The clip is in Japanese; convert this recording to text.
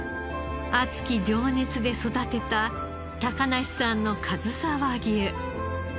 熱き情熱で育てた梨さんのかずさ和牛。